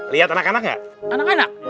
lihat anak anak ya